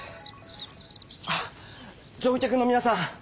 あっ乗客のみなさん！